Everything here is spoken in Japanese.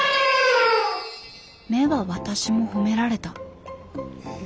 目は私も褒められたええ？